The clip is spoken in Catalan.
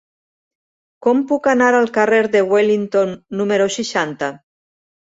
Com puc anar al carrer de Wellington número seixanta?